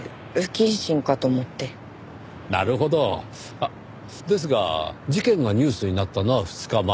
あっですが事件がニュースになったのは２日前。